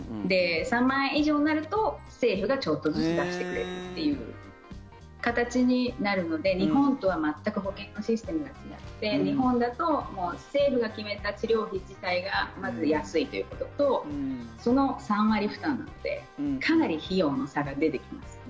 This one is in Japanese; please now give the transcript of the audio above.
３万円以上になると政府がちょっとずつ出してくれるという形になるので日本とは全く保険のシステムが違って日本だと政府が決めた治療費自体がまず安いということとその３割負担なのでかなり費用の差が出てきます。